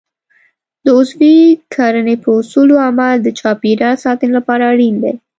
د عضوي کرنې پر اصولو عمل د چاپیریال ساتنې لپاره اړین دی.